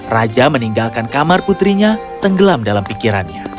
raja meninggalkan kamar putrinya tenggelam dalam pikirannya